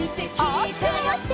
おおきくまわして。